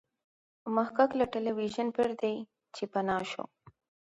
محقق له ټلویزیون پردې چې پناه شو.